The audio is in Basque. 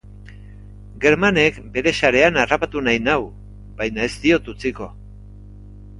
Germanek bere sarean harrapatu nahi nau, baina ez diot utziko.